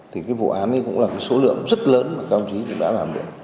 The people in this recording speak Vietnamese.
thì cái vụ án ấy cũng là cái số lượng rất lớn mà công chí cũng đã làm được